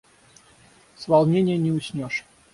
С волнения не уснешь.